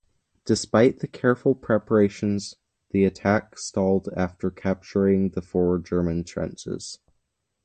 Despite the careful preparations the attack stalled after capturing the forward German trenches.